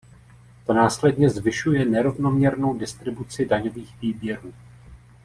To následně zvyšuje nerovnoměrnou distribuci daňových výběrů.